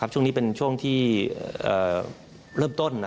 ช่วงนี้เป็นช่วงที่เริ่มต้น